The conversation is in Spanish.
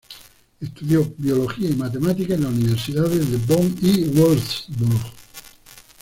Estudió biología y matemática en las universidades de Bonn y Würzburg.